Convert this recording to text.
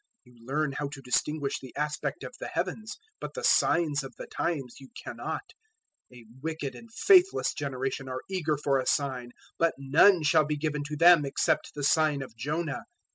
You learn how to distinguish the aspect of the heavens, but the signs of the times you cannot. 016:004 A wicked and faithless generation are eager for a sign; but none shall be given to them except the sign of Jonah."